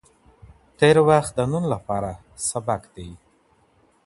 تېر وخت د نن لپاره سبق دی.